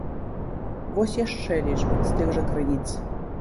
Вось яшчэ лічбы з тых жа крыніц.